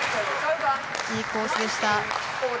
いいコースでした。